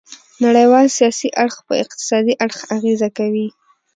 نړیوال سیاسي اړخ په اقتصادي اړخ اغیزه کوي